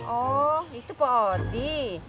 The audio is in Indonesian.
oh itu pak odi